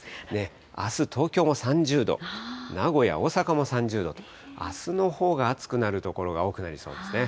あす、東京も３０度、名古屋、大阪も３０度と、あすのほうが暑くなる所が多くなりそうですね。